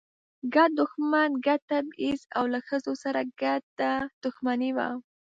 ګډ دښمن، ګډ تبعیض او له ښځو سره ګډه دښمني وه.